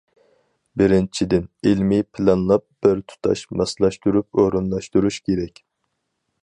بىرىنچىدىن، ئىلمىي پىلانلاپ، بىر تۇتاش ماسلاشتۇرۇپ ئورۇنلاشتۇرۇش كېرەك.